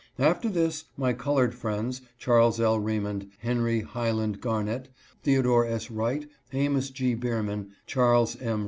After this my colored friends, Charles L. Re mond, Henry Highland Garnett, Theodore S. Wright, Amos G. Beaman, Charles M.